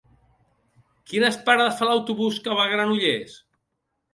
Quines parades fa l'autobús que va a Granollers?